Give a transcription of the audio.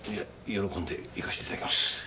喜んで行かせていただきます。